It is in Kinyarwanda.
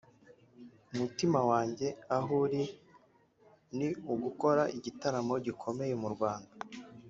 umutima wanjye aho uri ni ugukora igitaramo gikomeye mu Rwanda